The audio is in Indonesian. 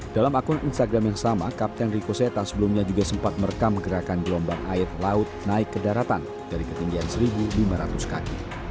dalam akun instagram yang sama kapten rico seta sebelumnya juga sempat merekam gerakan gelombang air laut naik ke daratan dari ketinggian satu lima ratus kaki